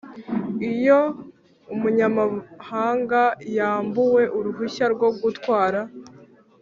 Iyo umunyamahanga yambuwe uruhushya rwo gutwara